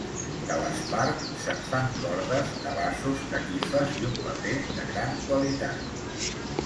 De l'espart se'n fan cordes, cabassos, catifes i un paper de gran qualitat.